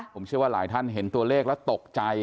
ผมเชื่อว่าหลายท่านเห็นตัวเลขแล้วตกใจ